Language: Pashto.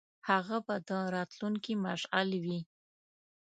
هغه به د راتلونکي مشعل وي.